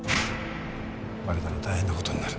バレたら大変なことになる。